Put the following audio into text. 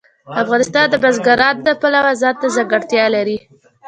افغانستان د بزګان د پلوه ځانته ځانګړتیا لري.